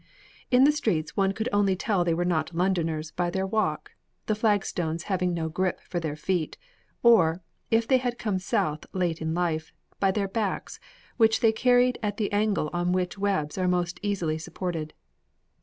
In the streets one could only tell they were not Londoners by their walk, the flagstones having no grip for their feet, or, if they had come south late in life, by their backs, which they carried at the angle on which webs are most easily supported.